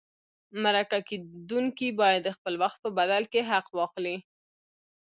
مرکه کېدونکی باید د خپل وخت په بدل کې حق واخلي.